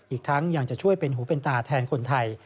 อีกทั้งยังจะช่วยเป็นหูเป็นตาแทนคนไทย